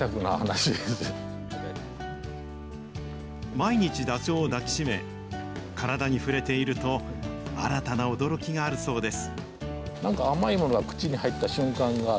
毎日ダチョウを抱き締め、体に触れていると、新たな驚きがあるそうです。